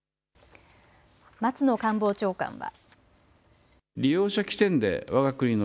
松野官房長官は。